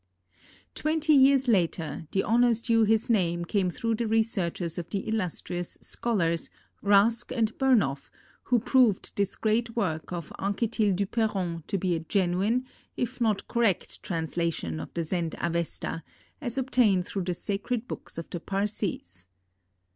Twenty years later, the honors due his name came through the researches of the illustrious scholars, Rask and Burnouf, who proved this great work of Anquetil Duperron to be a genuine if not correct translation of the Zend Avesta, as obtained through the sacred books of the Parsees.